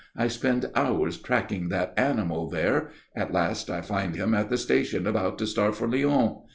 I spend hours tracking that animal there. At last I find him at the station about to start for Lyon.